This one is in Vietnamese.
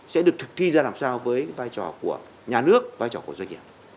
sẽ được thực thi ra làm sao với vai trò của nhà nước vai trò của doanh nghiệp